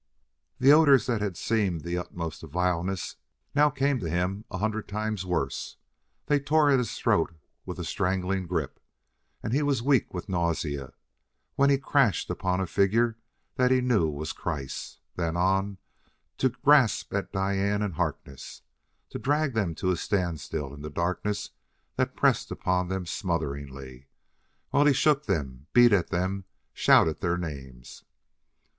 The odors that had seemed the utmost of vileness now came to him a hundred times worse. They tore at his throat with a strangling grip, and he was weak with nausea when he crashed upon a figure that he knew, was Kreiss. Then on, to grasp at Diane and Harkness; to drag them to a standstill in the darkness that pressed upon them smotheringly, while he shook them, beat at them, shouted their names.